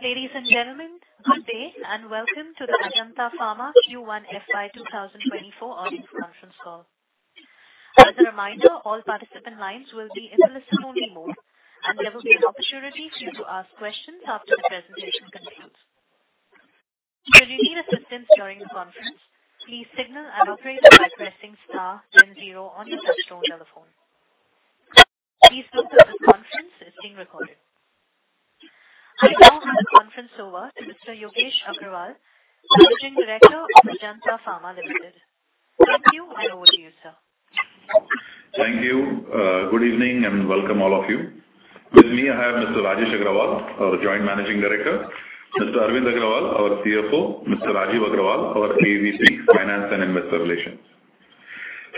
Ladies and gentlemen, good day, welcome to the Ajanta Pharma Q1 FY 2024 earnings conference call. As a reminder, all participant lines will be in a listen-only mode, there will be an opportunity for you to ask questions after the presentation concludes. Should you need assistance during the conference, please signal an operator by pressing star then zero on your touchtone telephone. Please note that this conference is being recorded. I now hand the conference over to Mr. Yogesh Agrawal, Managing Director of Ajanta Pharma Limited. Thank you, over to you, sir. Thank you. Good evening, and welcome, all of you. With me, I have Mr. Rajesh Agrawal, our Joint Managing Director, Mr. Arvind Agrawal, our CFO, Mr. Rajiv Agrawal, our AVP, Finance and Investor Relations.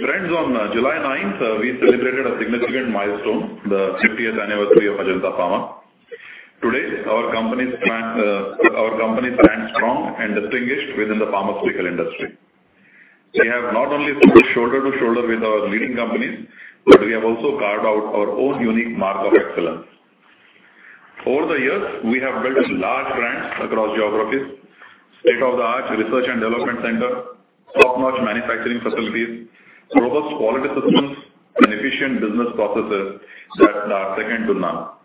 Friends, on July ninth, we celebrated a significant milestone, the fiftieth anniversary of Ajanta Pharma. Today, our company stands strong and distinguished within the pharmaceutical industry. We have not only stood shoulder to shoulder with our leading companies, but we have also carved out our own unique mark of excellence. Over the years, we have built large brands across geographies, state-of-the-art research and development center, top-notch manufacturing facilities, robust quality systems, and efficient business processes that are second to none.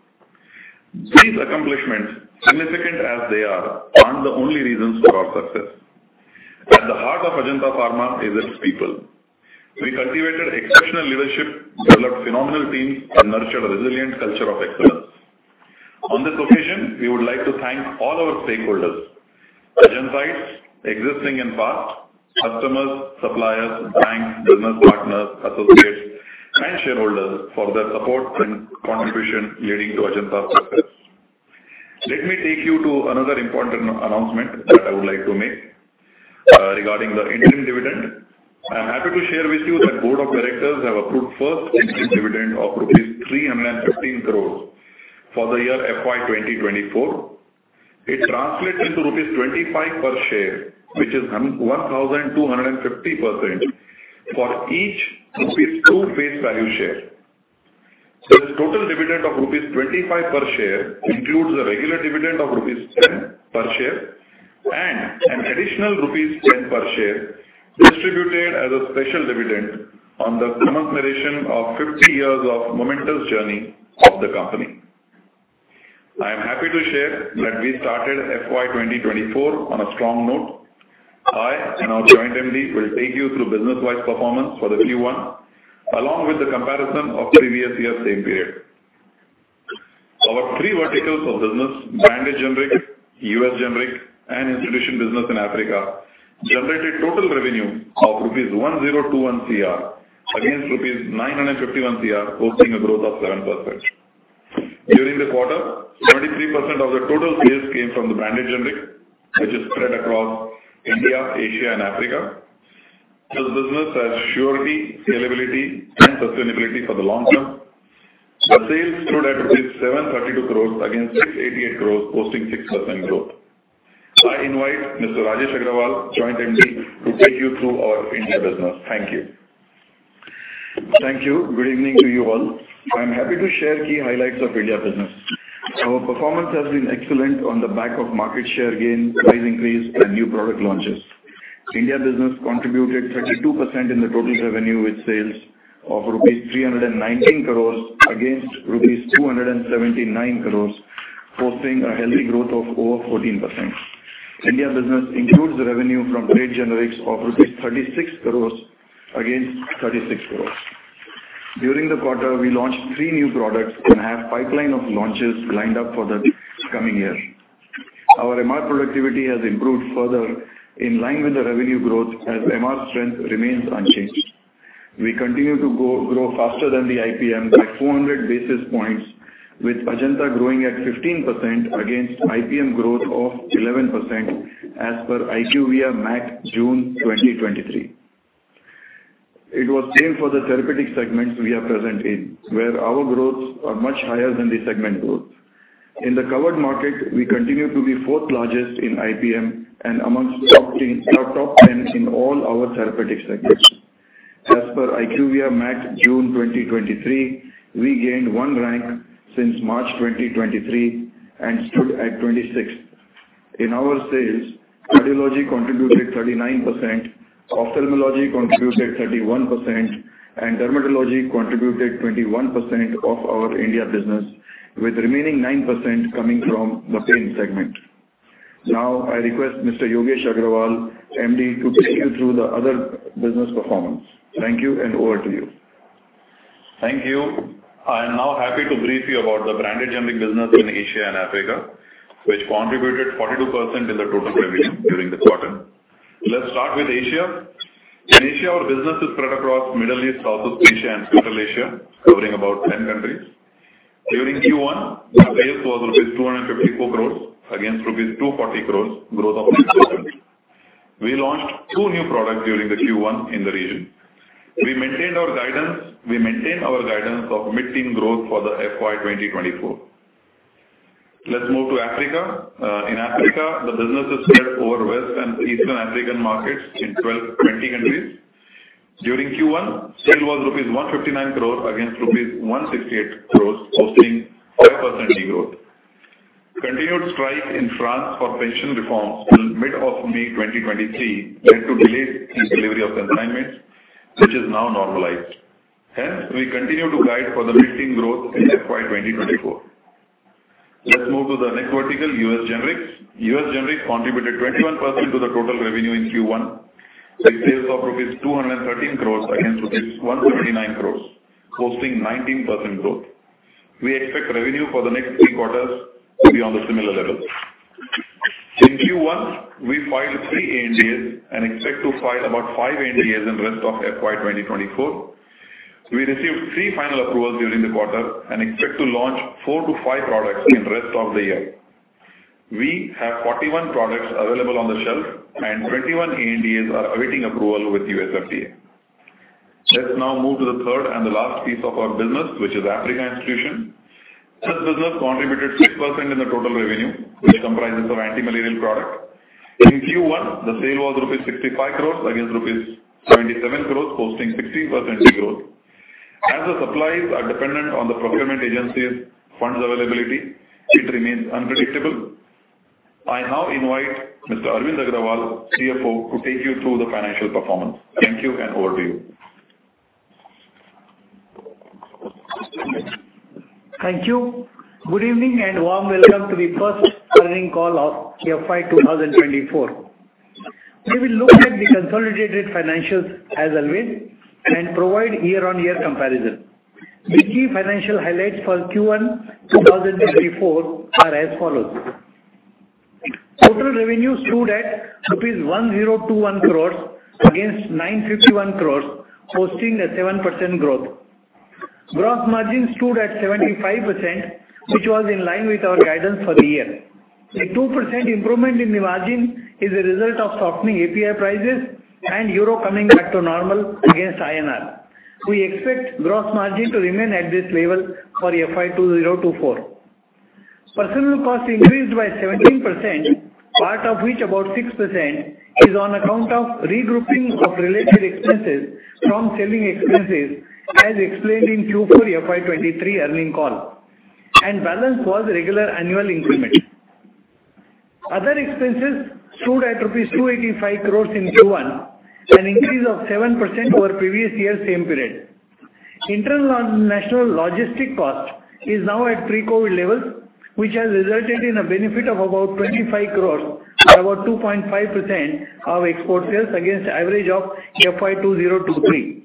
These accomplishments, significant as they are, aren't the only reasons for our success. At the heart of Ajanta Pharma is its people. We cultivated exceptional leadership, developed phenomenal teams, and nurtured a resilient culture of excellence. On this occasion, we would like to thank all our stakeholders, Ajantites, existing and past, customers, suppliers, banks, business partners, associates, and shareholders for their support and contribution leading to Ajanta's success. Let me take you to another important announcement that I would like to make regarding the interim dividend. I'm happy to share with you that Board of Directors have approved first interim dividend of rupees 315 crore for the year FY 2024. It translates into rupees 25 per share, which is 1,250% for each rupees 2 face value share. This total dividend of rupees 25 per share includes a regular dividend of rupees 10 per share and an additional rupees 10 per share distributed as a special dividend on the commemoration of 50 years of momentous journey of the company. I am happy to share that we started FY 2024 on a strong note. I and our Joint MD will take you through business-wide performance for the Q1, along with the comparison of previous year's same period. Our three verticals of business, branded generic, U.S. generic, and institution business in Africa, generated total revenue of rupees 1,021 CR, against rupees 951 CR, posting a growth of 7%. During the quarter, 33% of the total sales came from the branded generic, which is spread across India, Asia, and Africa. This business has surety, scalability, and sustainability for the long term. The sales stood at rupees 732 crores against 688 crores, posting 6% growth. I invite Mr. Rajesh Agrawal, Joint MD, to take you through our India business. Thank you. Thank you. Good evening to you all. I'm happy to share key highlights of India business. Our performance has been excellent on the back of market share gains, price increase, and new product launches. India business contributed 32% in the total revenue, with sales of rupees 319 crores against rupees 279 crores, posting a healthy growth of over 14%. India business includes the revenue from trade generics of rupees 36 crores against 36 crores. During the quarter, we launched three new products and have pipeline of launches lined up for the coming year. Our MR productivity has improved further in line with the revenue growth, as MR strength remains unchanged. We continue to grow faster than the IPM by 400 basis points, with Ajanta growing at 15% against IPM growth of 11%, as per IQVIA MAT, June 2023. It was same for the therapeutic segments we are present in, where our growths are much higher than the segment growth. In the covered market, we continue to be fourth largest in IPM and amongst top 10 in all our therapeutic segments. As per IQVIA MAT, June 2023, we gained 1 rank since March 2023 and stood at 26. In our sales, Cardiology contributed 39%, Ophthalmology contributed 31%, and Dermatology contributed 21% of our India business, with remaining 9% coming from the pain segment. Now, I request Mr. Yogesh Agrawal, MD, to take you through the other business performance. Thank you, and over to you. Thank you. I am now happy to brief you about the branded generic business in Asia and Africa, which contributed 42% in the total revenue during the quarter. Let's start with Asia. In Asia, our business is spread across Middle East, South Asia, and Central Asia, covering about 10 countries. During Q1, the sales was INR 254 crores, against INR 240 crores, growth of 6%. We launched two new products during the Q1 in the region. We maintain our guidance of mid-teen growth for the FY 2024. Let's move to Africa. In Africa, the business is spread over West and Eastern African markets in 20 countries. During Q1, sale was rupees 159 crore against rupees 168 crores, posting 5% de-growth. Continued strike in France for pension reforms till mid-May 2023 led to delays in delivery of consignments, which is now normalized. We continue to guide for the mid-teen growth in FY 2024. Let's move to the next vertical, U.S. Generics. U.S. Generics contributed 21% to the total revenue in Q1, with sales of rupees 213 crores against rupees 139 crores, hosting 19% growth. We expect revenue for the next three quarters to be on the similar level. In Q1, we filed three ANDAs, and expect to file about five ANDAs in rest of FY 2024. We received three final approvals during the quarter and expect to launch 4-5-products in rest of the year. We have 41 products available on the shelf, and 21 ANDAs are awaiting approval with USFDA. Let's now move to the third and the last piece of our business, which is Africa Institution. This business contributed 6% in the total revenue, which comprises of anti-malarial product. In Q1, the sale was rupees 65 crores against rupees 77 crores, hosting 16% de-growth. As the supplies are dependent on the procurement agencies' funds availability, it remains unpredictable. I now invite Mr. Arvind Agrawal, CFO, to take you through the financial performance. Thank you. Over to you. Thank you. Good evening, warm welcome to the first earnings call of FY 2024. We will look at the consolidated financials as always, provide year-on-year comparison. The key financial highlights for Q1 2024 are as follows: Total revenue stood at rupees 1,021 crores against 951 crores, hosting a 7% growth. Gross margin stood at 75%, which was in line with our guidance for the year. A 2% improvement in the margin is a result of softening API prices and EUR coming back to normal against INR. We expect gross margin to remain at this level for FY 2024. Personal cost increased by 17%, part of which, about 6%, is on account of regrouping of related expenses from selling expenses, as explained in Q4 FY23 earning call, balance was regular annual increment. Other expenses stood at rupees 285 crores in Q1, an increase of 7% over previous year same period. Internal and national logistic cost is now at pre-COVID levels, which has resulted in a benefit of about 25 crores, or about 2.5% of export sales against average of FY 2023.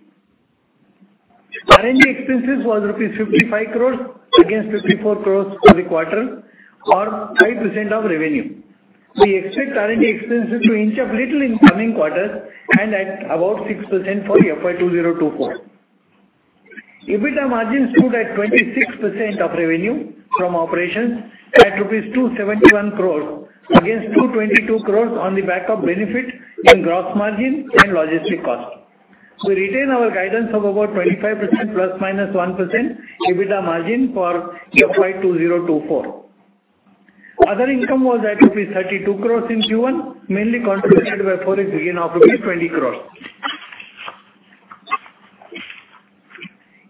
R&D expenses was rupees 55 crores against 54 crores rupees for the quarter, or 5% of revenue. We expect R&D expenses to inch up little in coming quarters and at about 6% for FY2024. EBITDA margin stood at 26% of revenue from operations at rupees 271 crores against 222 crores on the back of benefit in gross margin and logistic cost. We retain our guidance of about 25% ±1% EBITDA margin for FY 2024. Other income was at 32 crores in Q1, mainly contributed by forex gain of rupees 20 crores.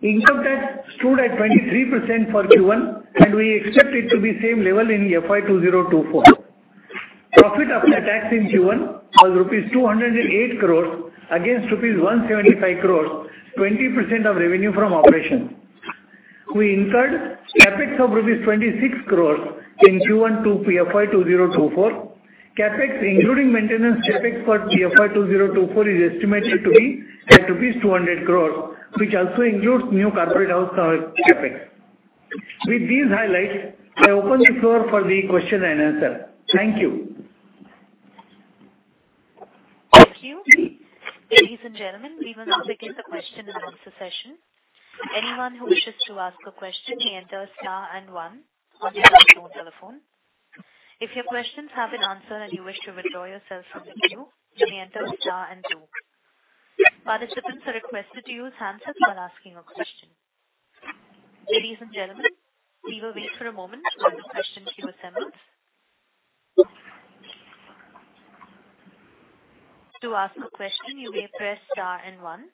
Income tax stood at 23% for Q1. We expect it to be same level in FY 2024. Profit after tax in Q1 was rupees 208 crores against rupees 175 crores, 20% of revenue from operation. We incurred CapEx of rupees 26 crores in Q1 FY 2024. CapEx, including maintenance CapEx for FY 2024, is estimated to be at rupees 200 crores, which also includes new corporate house CapEx. With these highlights, I open the floor for the question and answer. Thank you. Thank you. Ladies and gentlemen, we will now begin the question and answer session. Anyone who wishes to ask a question may enter star and one on your phone telephone. If your questions have been answered and you wish to withdraw yourself from the queue, you may enter star and two. Participants are requested to use handsets while asking a question. Ladies and gentlemen, we will wait for a moment while the questions queue assembles. To ask a question, you may press star and one.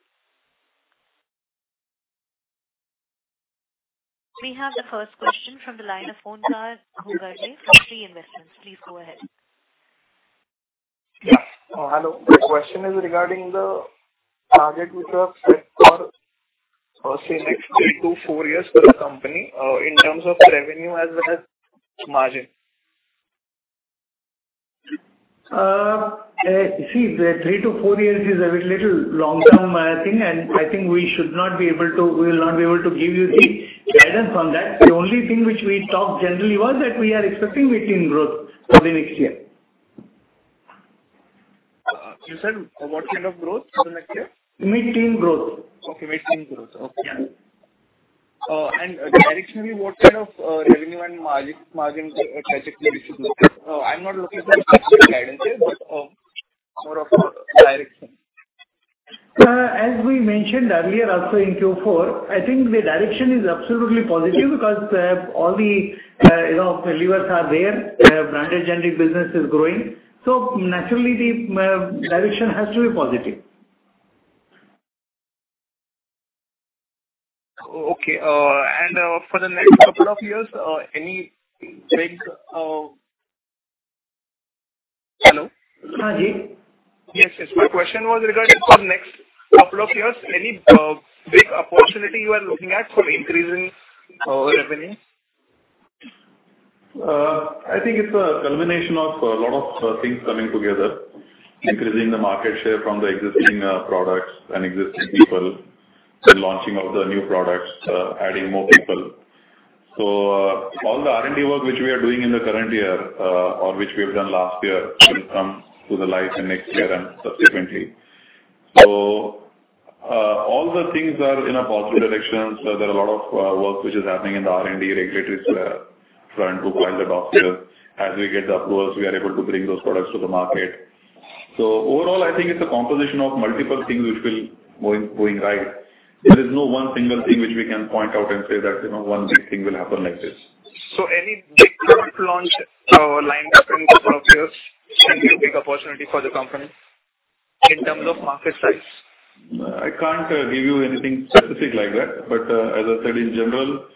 We have the first question from the line of Saumya Garg from Shree Investments. Please go ahead. Yeah. Hello. The question is regarding the target which you have set for, say, next 3-to-4-years for the company, in terms of revenue as well as margin. See, the 3-4-years is a very little long-term thing, and I think we will not be able to give you the guidance on that. The only thing which we talked generally was that we are expecting mid-teen growth for the next year. You said what kind of growth for the next year? Mid-teen growth. Okay, mid-teen growth. Okay. Yeah. Directionally, what kind of revenue and margin trajectory we should look at? I'm not looking for specific guidances, but more of a direction. As we mentioned earlier, also in Q4, I think the direction is absolutely positive because all the, you know, the levers are there. Branded Generic business is growing, so naturally the direction has to be positive. Okay, and for the next couple of years, any big? Hello? Hi. Yes, yes. My question was regarding for next couple of years, any big opportunity you are looking at for increasing revenue? I think it's a culmination of a lot of things coming together, increasing the market share from the existing products and existing people, then launching of the new products, adding more people. All the R&D work which we are doing in the current year or which we have done last year, will come to the light in next year and subsequently. All the things are in a positive direction. There are a lot of work which is happening in the R&D regulatory square, trying to file the dossiers. As we get the approvals, we are able to bring those products to the market. Overall, I think it's a composition of multiple things which will going right. There is no one single thing which we can point out and say that, you know, one big thing will happen like this. Any big product launch, lined up in the couple of years can be a big opportunity for the company in terms of market size? I can't give you anything specific like that, but as I said, in general,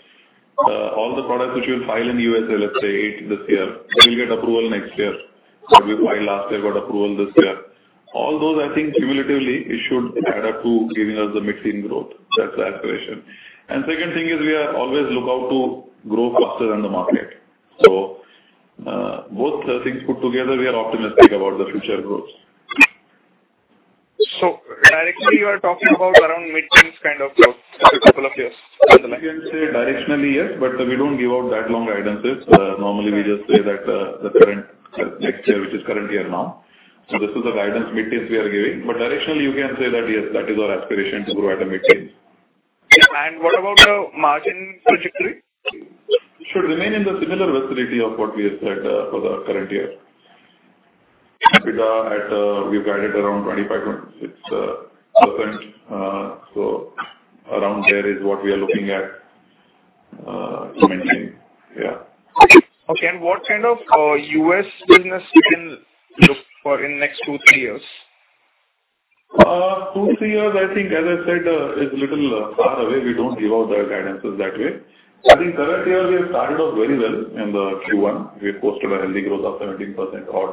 all the products which you'll file in USA, let's say, eight this year, they will get approval next year. What we filed last year got approval this year. All those, I think cumulatively, it should add up to giving us the mid-teen growth. That's the aspiration. Second thing is we are always look out to grow faster than the market. Both things put together, we are optimistic about the future growth. Directionally, you are talking about around mid-teens kind of growth for a couple of years down the line? You can say directionally, yes, but we don't give out that long guidances. Normally, we just say that, the current, next year, which is current year now. This is the guidance mid-teens we are giving. Directionally, you can say that, yes, that is our aspiration, to grow at a mid-teen. What about the margin trajectory? Should remain in the similar vicinity of what we have said for the current year. EBITDA at, we've guided around 25 points. It's %. Around there is what we are looking at, maintaining. Yeah. Okay, what kind of U.S. business you can look for in next 2, 3 years? Two, three years, I think, as I said, is a little far away. We don't give out the guidances that way. I think current year we have started off very well in the Q1. We have posted a healthy growth of 17% odd.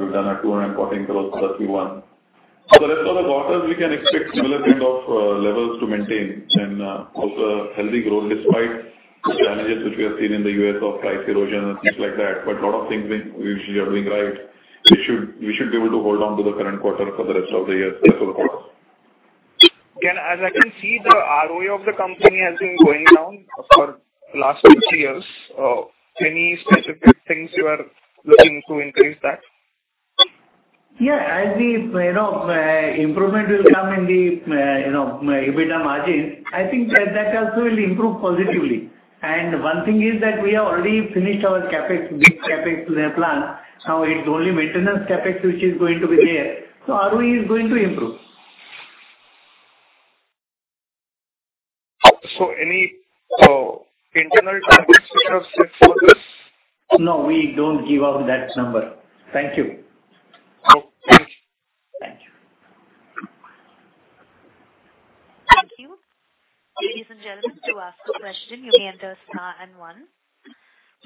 We've done at INR 214 across the Q1. The rest of the quarters, we can expect similar kind of levels to maintain and also healthy growth despite the challenges which we have seen in the U.S. of price erosion and things like that. A lot of things we are doing right. We should be able to hold on to the current quarter for the rest of the year, rest of the quarters. As I can see, the ROE of the company has been going down for last 2-3-years. Any specific things you are looking to increase that? Yeah, as the, you know, improvement will come in the, you know, EBITDA margin, I think that also will improve positively. One thing is that we have already finished our CapEx, big CapEx to their plant. Now it's only maintenance CapEx which is going to be there, so ROE is going to improve. Internal targets you have set for this? No, we don't give out that number. Thank you. Okay. Thank you. Thank you. Ladies and gentlemen, to ask a question, you may enter star and one.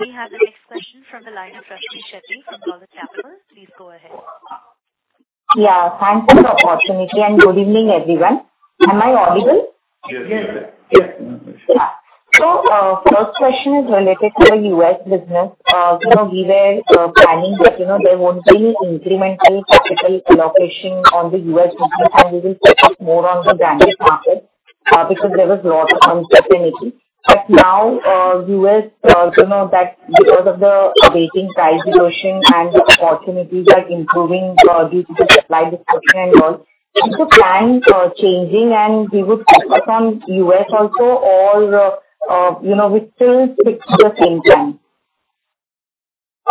We have the next question from the line of Rushee Shetty from Go-Lokal Capital. Please go ahead. Yeah, thanks for the opportunity and good evening, everyone. Am I audible? Yes. Yes. Yeah. First question is related to the U.S. business. You know, we were planning that, you know, there won't be any incremental capital allocation on the U.S. business, and we will focus more on the branded markets because there was lot of uncertainty. Now, U.S., you know that because of the waiting price erosion and the opportunities are improving due to the supply disruption and all, is the plan changing and we would focus on U.S. also, or, you know, we still stick to the same plan?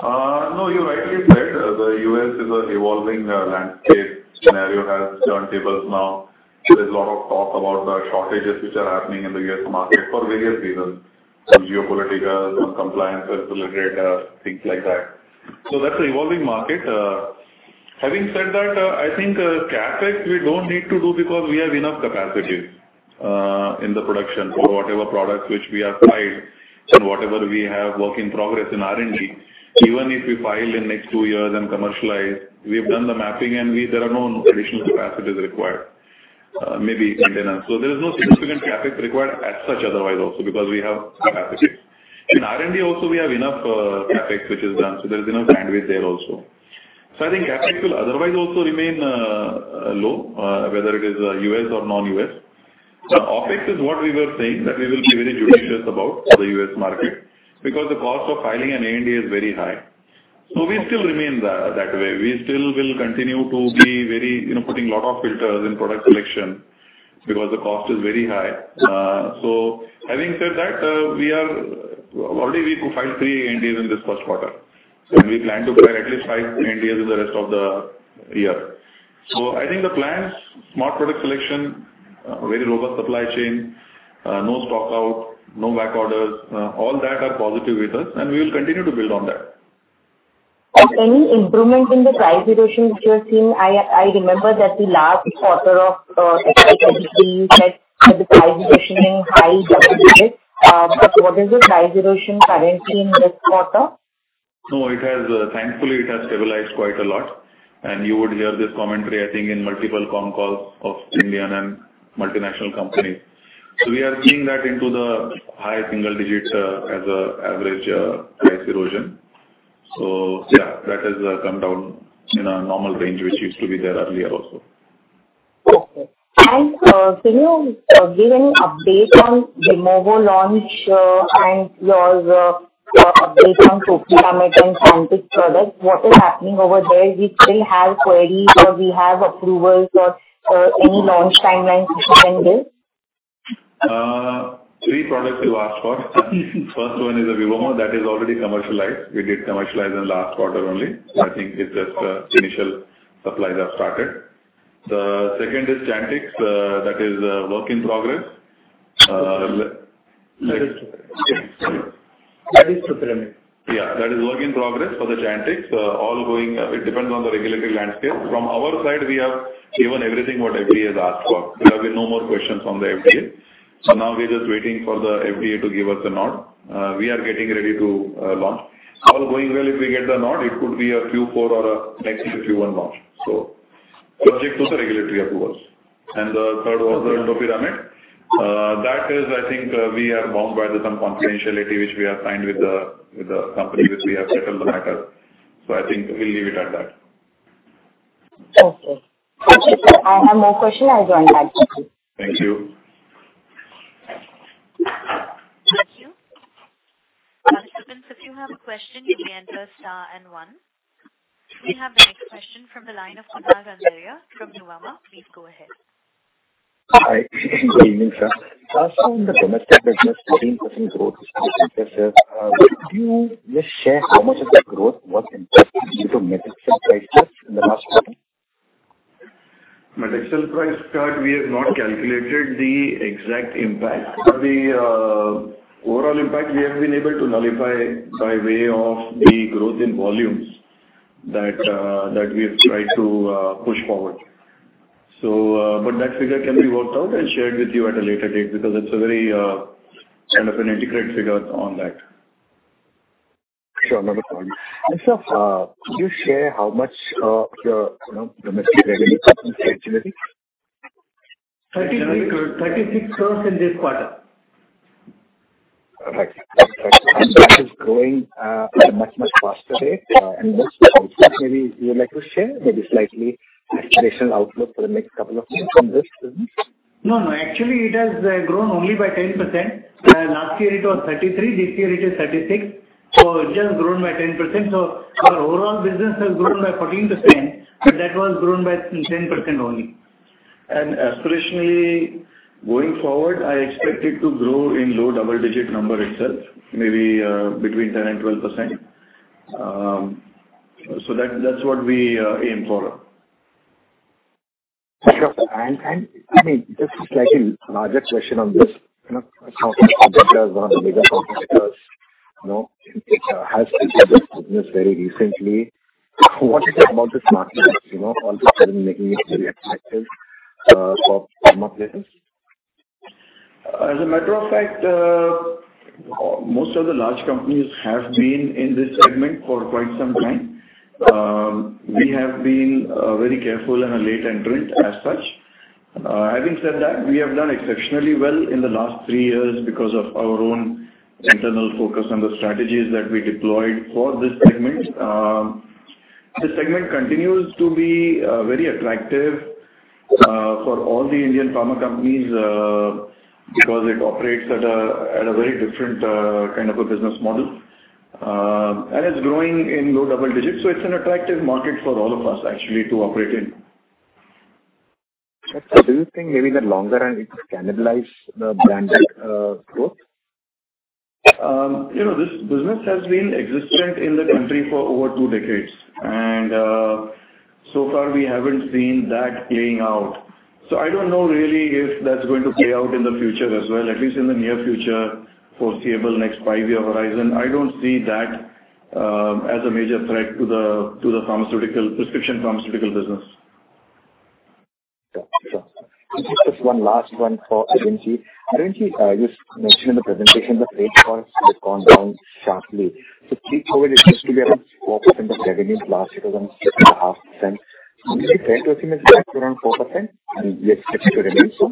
No, you rightly said, the U.S. is an evolving landscape scenario, has turntables now. There's a lot of talk about the shortages which are happening in the U.S. market for various reasons, some geopolitical, some compliance with the regulator, things like that. That's an evolving market. Having said that, I think, CapEx we don't need to do because we have enough capacities in the production for whatever products which we have filed and whatever we have work in progress in R&D. Even if we file in next two years and commercialize, we've done the mapping and there are no additional capacities required, maybe in then. There is no significant CapEx required as such otherwise also because we have CapEx. In R&D also, we have enough CapEx which is done, there is enough bandwidth there also. I think CapEx will otherwise also remain low, whether it is U.S. or non-U.S. OpEx is what we were saying, that we will be very judicious about for the U.S. market, because the cost of filing an ANDA is very high. We still remain that way. We still will continue to be very, you know, putting a lot of filters in product selection because the cost is very high. Having said that, already we filed 3 ANDA in this first quarter, we plan to file at least 5 ANDA in the rest of the year. I think the plans, smart product selection, very robust supply chain, no stock out, no back orders, all that are positive with us, and we will continue to build on that. Any improvement in the price erosion which you have seen? I remember that the last quarter of, you said that the price erosion in high double digits. What is the price erosion currently in this quarter? No, it has, thankfully, it has stabilized quite a lot. You would hear this commentary, I think, in multiple con calls of Indian and multinational companies. We are seeing that into the high single digits, as a average, price erosion. Yeah, that has, come down in a normal range, which used to be there earlier also. Okay. Can you give any update on the varenicline launch, and your update on topiramate and Chantix products? What is happening over there? We still have queries, or we have approvals, or any launch timelines which you can give? Three products you asked for. First one is the varenicline, that is already commercialized. We did commercialize in last quarter only. I think it's just initial supplies have started. The second is Chantix, that is work in progress. That is true. Yeah. That is work in progress for the Chantix. All going up, it depends on the regulatory landscape. From our side, we have given everything what FDA has asked for. There are no more questions from the FDA. Now we're just waiting for the FDA to give us a nod. We are getting ready to launch. All going well, if we get the nod, it could be a Q4 or a next Q1 launch, subject to the regulatory approvals. The third one, the topiramate. That is... I think, we are bound by the some confidentiality which we have signed with the company, which we have settled the matter. I think we'll leave it at that. Okay. Okay, I have more question. I'll join back. Thank you. Thank you. Participants, if you have a question, you may enter star and one. We have the next question from the line of Kunal Randeria from Nuvama. Please go ahead. Hi. Good evening, sir. In the domestic business, 14% growth, could you just share how much of that growth was impacted due to medical price cuts in the last quarter? Medical price cut, we have not calculated the exact impact. The overall impact, we have been able to nullify by way of the growth in volumes that we have tried to push forward. That figure can be worked out and shared with you at a later date, because it's a very kind of an integrated figure on that. Sure, no problem. Sir, could you share how much, your, you know, domestic revenue? 33%-36% in this quarter. Right. That is growing at a much, much faster rate. Maybe you would like to share maybe slightly aspirational outlook for the next couple of years from this business? No, no. Actually, it has grown only by 10%. Last year it was 33, this year it is 36, so it just grown by 10%. Our overall business has grown by 14%, but that was grown by 10% only. Aspirationally, going forward, I expect it to grow in low double-digit number itself, maybe, between 10% and 12%. That's what we aim for. Sure. I mean, just slightly larger question on this, you know, one of the bigger competitors, you know, it has entered this business very recently. What is it about this market, you know, all of a sudden making it very attractive for pharma players? As a matter of fact, most of the large companies have been in this segment for quite some time. We have been very careful and a late entrant as such. Having said that, we have done exceptionally well in the last three years because of our own internal focus and the strategies that we deployed for this segment. This segment continues to be very attractive for all the Indian pharma companies because it operates at a very different kind of a business model. It's growing in low double digits, so it's an attractive market for all of us actually to operate in. Do you think maybe in the longer run it will cannibalize the branded growth? you know, this business has been existent in the country for over two decades, and so far we haven't seen that playing out. I don't know really if that's going to play out in the future as well, at least in the near future, foreseeable next five-year horizon. I don't see that as a major threat to the, to the pharmaceutical, prescription pharmaceutical business. Sure. Sure. Just one last one for NCG. NCG, you mentioned in the presentation that trade costs have gone down sharply. Pre-COVID, it used to be around 4% of revenue. Last year, it was around 6.5%. Do you think it's back to around 4%? We expect it to remain so?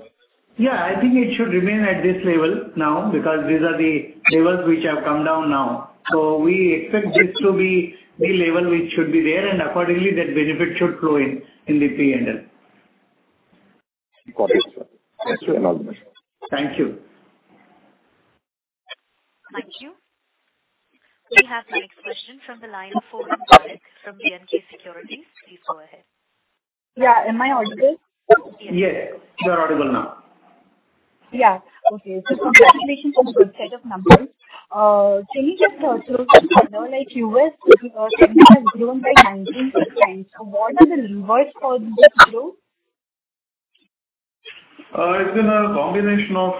Yeah, I think it should remain at this level now, because these are the levels which have come down now. We expect this to be the level which should be there, and accordingly, that benefit should flow in the PNL. Copy, sir. Thank you and all the best. Thank you. Thank you. We have the next question from the line of Forum Parekh from BMK Global. Please go ahead. Yeah, am I audible? Yes, you are audible now. Yeah. Okay. Congratulations on the good set of numbers. can you just, so like U.S., has grown by 19%. What are the levers for this growth? It's been a combination of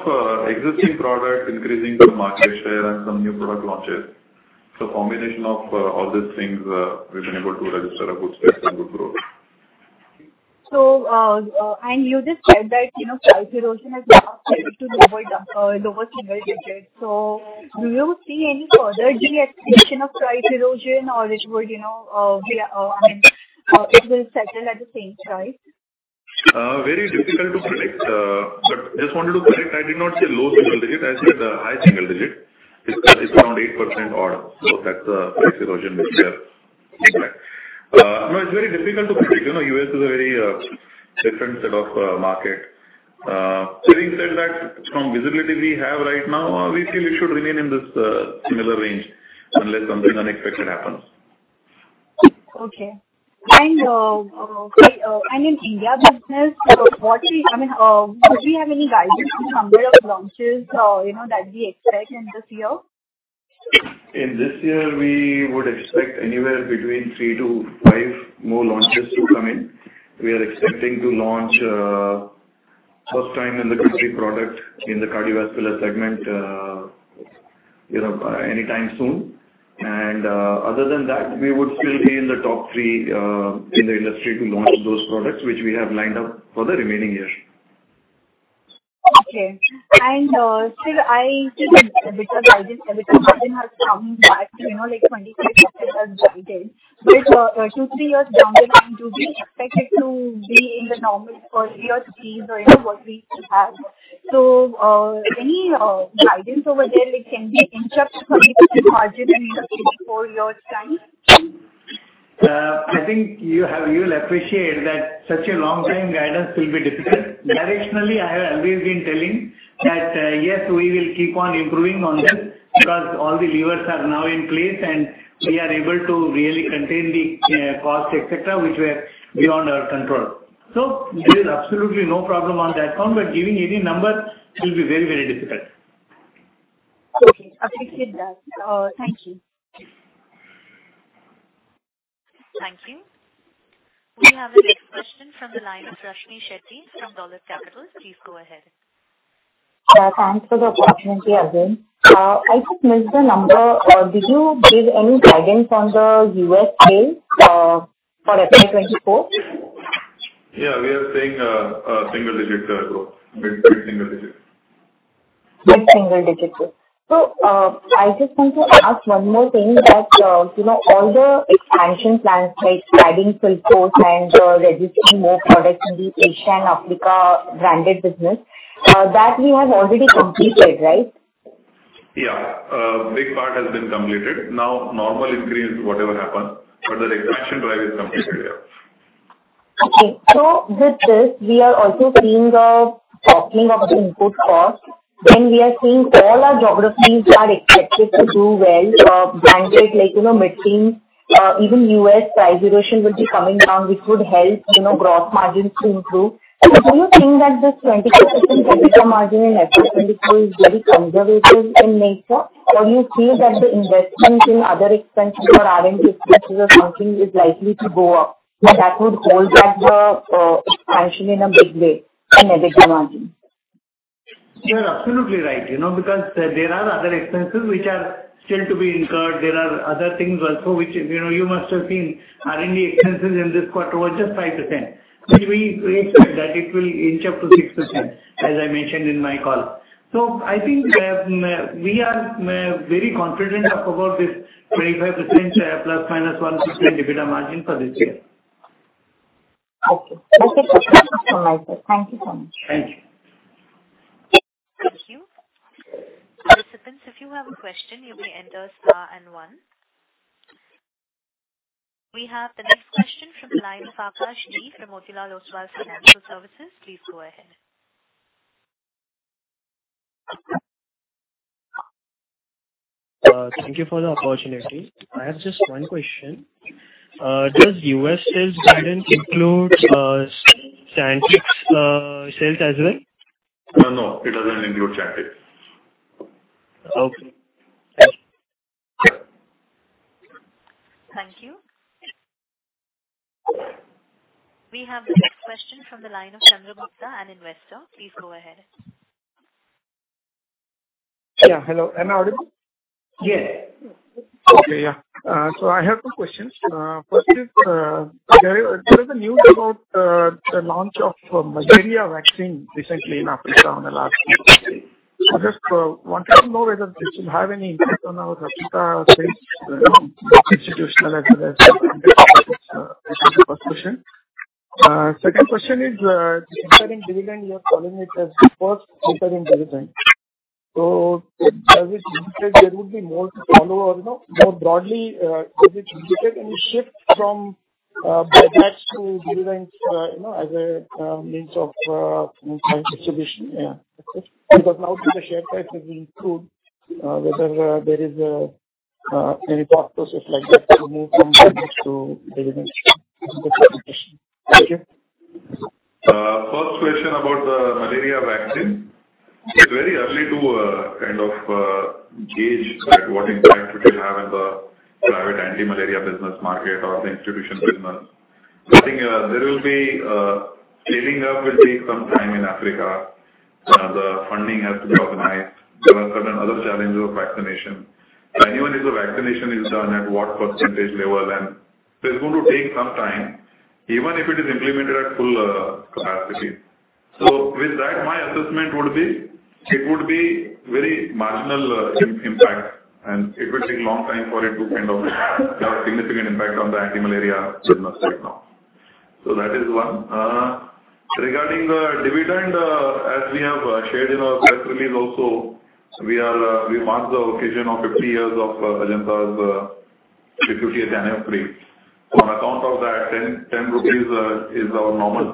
existing products increasing the market share and some new product launches. Combination of all these things, we've been able to register a good space and good growth. You just said that, you know, price erosion has come down to lower single digits. Do you see any further de-acceleration of price erosion, or which would, you know, I mean, it will settle at the same price? Very difficult to predict. Just wanted to correct, I did not say low single digit. I said, high single digit. It's around 8% odd. That's the price erosion this year. No, it's very difficult to predict. You know, U.S. is a very different set of market. Having said that, from visibility we have right now, we feel it should remain in this similar range unless something unexpected happens. Okay. In India business, I mean, could we have any guidance on number of launches, you know, that we expect in this year? In this year, we would expect anywhere between 3-5 more launches to come in. We are expecting to launch, first time in the country, product in the cardiovascular segment, you know, anytime soon. Other than that, we would still be in the top three, in the industry to launch those products, which we have lined up for the remaining year. Okay. Still I think because EBITDA margin has come back, you know, like 25% as guided, with, two, three years down the line, do we expect it to be in the normal four-year fees or, you know, what we have? Any, guidance over there that can be in terms of EBITDA margin in the four-year time? I think you'll appreciate that such a long-term guidance will be difficult. Directionally, I have always been telling that, yes, we will keep on improving on this, because all the levers are now in place, and we are able to really contain the cost, et cetera, which were beyond our control. There is absolutely no problem on that account, but giving any number will be very, very difficult. Okay, appreciate that. Thank you. Thank you. We have the next question from the line of Rashmi Shetty from Dolphin Capital. Please go ahead. Thanks for the opportunity, again. I just missed the number. Did you give any guidance on the U.S. sales, for FY 2024? Yeah, we are saying, a single-digit growth, mid-single digit. Mid-single digit. I just want to ask one more thing, that, you know, all the expansion plans, like adding full force and registering more products in the Asia and Africa branded business, that we have already completed, right? Yeah. Big part has been completed. Now, normal increase, whatever happens, but the expansion drive is completed, yeah. With this, we are also seeing a softening of input costs, and we are seeing all our geographies are expected to do well. Branded, like, you know, mid-teen, even U.S. price erosion will be coming down, which would help, you know, gross margins to improve. Do you think that this 25% EBITDA margin in FY 2024 is very conservative in nature? Or you feel that the investments in other expenses or R&D expenses or something is likely to go up, and that would hold back the expansion in a big way on EBITDA margin? You're absolutely right, you know, because there are other expenses which are still to be incurred. There are other things also, which, you know, you must have seen R&D expenses in this quarter were just 5%, which we expect that it will inch up to 6%, as I mentioned in my call. I think we are very confident about this 25% ±1% EBITDA margin for this year. Okay. That's it from my side. Thank you so much. Thank you. Thank you. Participants, if you have a question, you may enter star and one. We have the next question from the line of Akash Deep from Motilal Oswal Financial Services. Please go ahead. Thank you for the opportunity. I have just one question. Does U.S. sales guidance include Chantix's sales as well? No, no, it doesn't include Chantix. Okay. Thank you. We have the next question from the line of Chandragupta, an investor. Please go ahead. Yeah, hello, am I audible? Yes. Okay, yeah. I have two questions. First is, there is a news about the launch of a malaria vaccine recently in Africa on the last. I just wanted to know whether this will have any impact on our Africa sales, you know, institutional as well as. This is the first question. Second question is, the interim dividend, you are calling it as the first interim dividend. Does it indicate there would be more to follow or no? More broadly, does it indicate any shift from buybacks to dividends, you know, as a means of return distribution? Yeah, that's it. Because now that the share price has improved, whether there is any thought process like that to move from buybacks to dividends. That's my question. Thank you. First question about the malaria vaccine. It's very early to kind of gauge at what impact it will have in the private anti-malaria business market or the institution business. There will be leading up will be some time in Africa. The funding has to be organized. There are certain other challenges of vaccination. If the vaccination is done, at what percentage level, then it's going to take some time, even if it is implemented at full capacity. My assessment would be, it would be very marginal impact, and it will take a long time for it to kind of have a significant impact on the anti-malaria business right now. That is one. Regarding the dividend, as we have shared in our press release also, we are, we marked the occasion of 50 years of Ajanta's 50th anniversary. On account of that, 10 rupees is our normal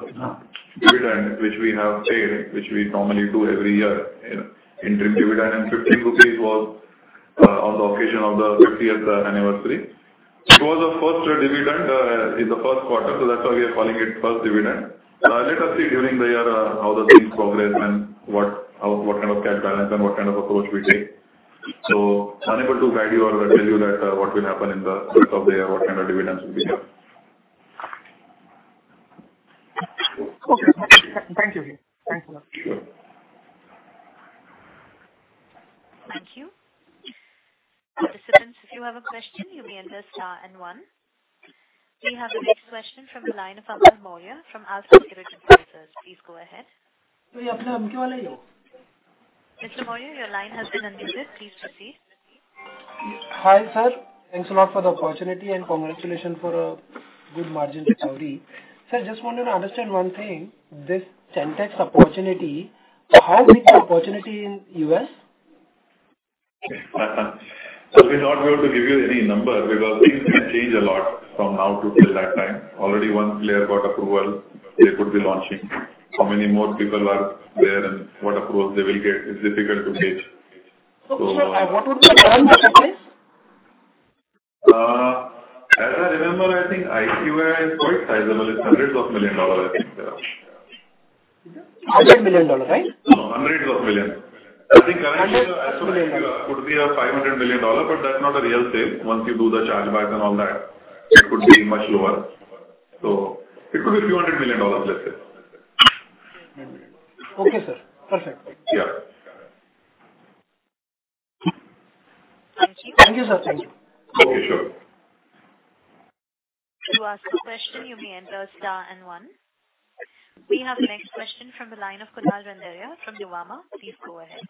dividend, which we have paid, which we normally do every year in dividend, and 15 rupees was on the occasion of the 50th anniversary. It was the first dividend in the first quarter, so that's why we are calling it first dividend. Let us see during the year, how the things progress and what, how, what kind of cash balance and what kind of approach we take. Unable to guide you or tell you that, what will happen in the course of the year, what kind of dividends will be there. Okay. Thank you. Thanks a lot. Thank you. Participants, if you have a question, you may enter star and 1. We have the next question from the line of Amar Maurya from ALFA Securities Private Limited. Please go ahead. you have the one? Mr. Maurya, your line has been unmuted. Please proceed. Hi, sir. Thanks a lot for the opportunity. Congratulations for a good margin recovery. Sir, just wanted to understand one thing, this Chantix opportunity, how big the opportunity in U.S.? We're not going to give you any number, because things may change a lot from now to till that time. Already one player got approval, they could be launching. How many more people are there and what approval they will get, it's difficult to gauge. What would be the size? As I remember, I think ICY is quite sizable. It's hundreds of million dollars, I think. $100 million, right? No, INR hundreds of million. Hundreds of million INR. I think currently, could be a $500 million, but that's not a real sale. Once you do the chargebacks and all that, it could be much lower. It could be $200 million, let's say. Okay, sir. Perfect. Yeah. Thank you. Thank you, sir. Thank you. Okay, sure. To ask a question, you may enter star and one. We have the next question from the line of Kunal Randeria from Motilal Oswal. Please go ahead.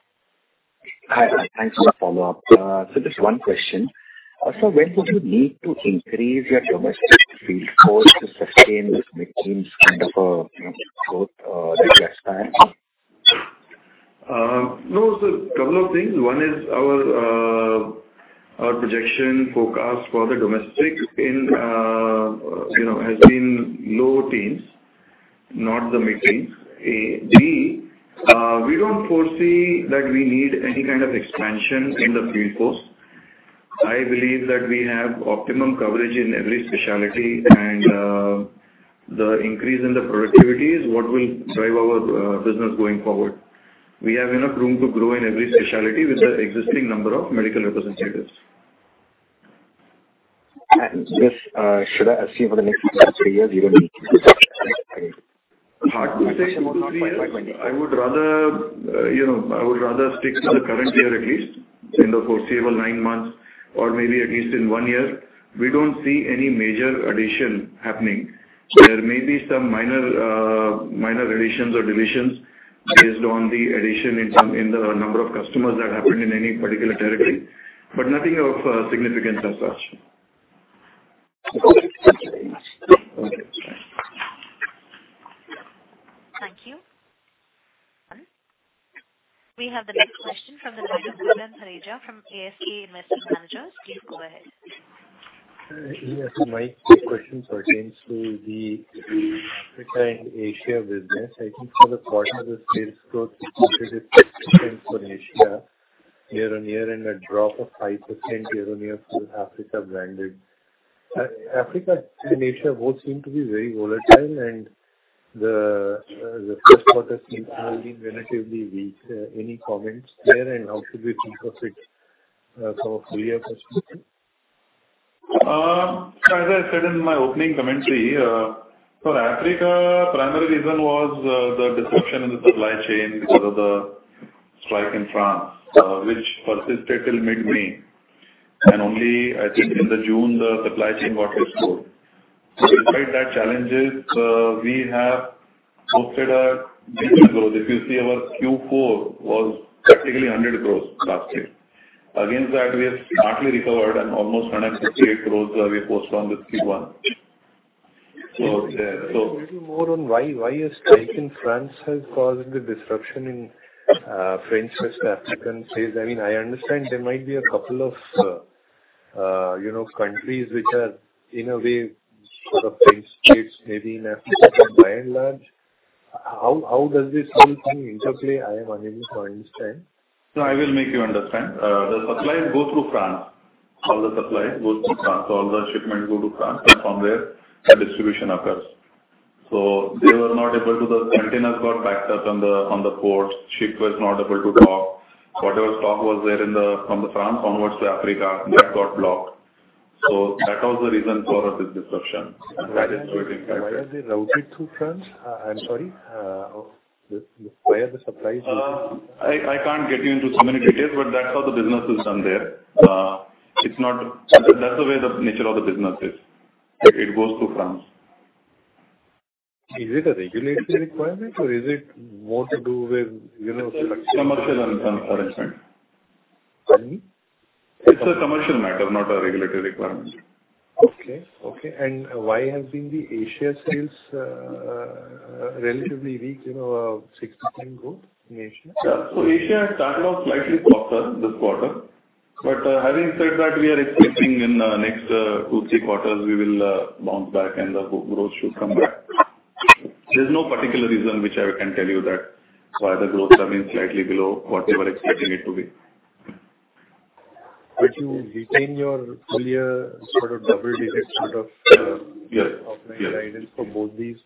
Hi. Thanks for the follow-up. Just one question. When would you need to increase your domestic field force to sustain this mid-teens kind of, you know, growth, in the next time? Couple of things. One is our projection forecast for the domestic, you know, has been low teens, not the mid-teens. We don't foresee that we need any kind of expansion in the field force. I believe that we have optimum coverage in every specialty, and the increase in the productivity is what will drive our business going forward. We have enough room to grow in every specialty with the existing number of medical representatives. This, should I assume for the next 2-3-years, you don't need? Hard to say two, three years. I would rather, you know, I would rather stick to the current year, at least in the foreseeable nine months, or maybe at least in one year. We don't see any major addition happening. There may be some minor additions or deletions based on the addition in some, in the number of customers that happened in any particular territory, but nothing of significance as such. Okay. Thank you very much. Okay. Thank you. We have the next question from the line of Mihir Parekh from ASK Investment Managers. Please go ahead. Yes, my question pertains to the Africa and Asia business. I think for the quarter, the sales growth for Asia year-on-year, and a drop of 5% year-on-year for Africa branded. Africa and Asia both seem to be very volatile, and the first quarter seems to have been relatively weak. Any comments there, and how should we think of it for full year perspective? as I said in my opening commentary, for Africa, primary reason was the disruption in the supply chain because of the strike in France, which persisted till mid-May. Only I think in the June, the supply chain got restored. Despite that challenges, we have posted a growth. If you see our Q4 was practically 100 crore last year. Against that, we have partly recovered and almost 168 crore, we postponed with Q1. Little more on why a strike in France has caused the disruption in French's African sales? I mean, I understand there might be a couple of, you know, countries which are in a way sort of French states, maybe in Africa, by and large. How does this whole thing interplay? I am unable to understand. No, I will make you understand. The supplies go through France. All the supplies go through France. All the shipments go to France, and from there, the distribution occurs. They were not able to the containers got backed up on the port. Ship was not able to dock. Whatever stock was there in the, from the France onwards to Africa, that got blocked. That was the reason for this disruption, and that is what impacted. Why are they routed through France? I'm sorry, why are the supplies? I can't get you into so many details, but that's how the business is done there. That's the way the nature of the business is. It goes through France. Is it a regulatory requirement or is it more to do with, you know- Commercial arrangement. Pardon me? It's a commercial matter, not a regulatory requirement. Okay, okay. why has been the Asia sales, relatively weak, you know, 69 growth in Asia? Yeah. Asia had started off slightly softer this quarter. Having said that, we are expecting in the next two, three quarters, we will bounce back and the growth should come back. There's no particular reason which I can tell you that why the growth have been slightly below what we were expecting it to be. Would you retain your full year sort of double-digit sort of. Yes. Offline guidance for both these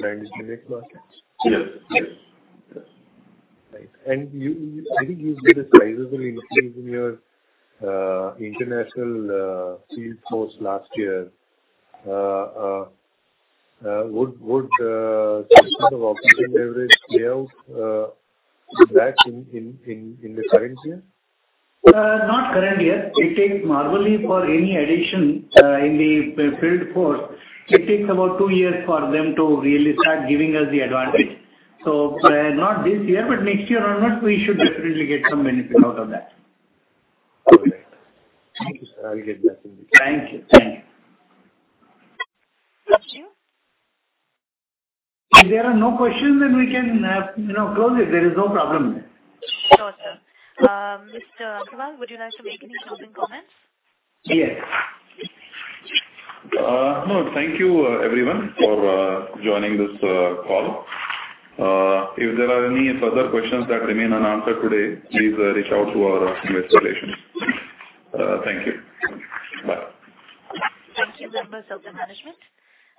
brands direct markets? Yes. Yes. Right. you, I think you've made a sizable increase in your international field force last year. Would some sort of operating leverage pay off back in the current year? Not current year. It takes normally for any addition in the field force, it takes about two years for them to really start giving us the advantage. Not this year, but next year onwards, we should definitely get some benefit out of that. Okay. Thank you, sir. I'll get back to you. Thank you. Thank you. Thank you. If there are no questions, we can, you know, close it. There is no problem. Sure, sir. Mr. Kumar, would you like to make any closing comments? Yes. No, thank you, everyone, for joining this call. If there are any further questions that remain unanswered today, please reach out to our investor relations. Thank you. Bye. Thank you, members of the management.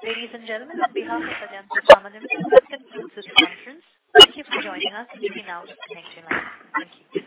Ladies and gentlemen, on behalf of Aditya Birla Group, this concludes this conference. Thank you for joining us. You can now disconnect your lines. Thank you.